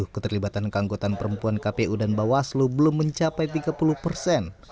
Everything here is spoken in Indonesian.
keterlibatan keanggotan perempuan kpu dan bawaslu belum mencapai tiga puluh persen